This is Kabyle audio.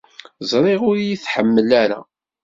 ẓriɣ ur yi-tḥemmel ara.